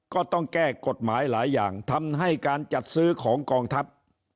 ก็ต้องแก้กฎหมายหลายอย่างทำให้การจัดซื้อของกองทัพ